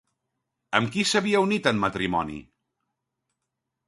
Amb qui s'havia unit en matrimoni?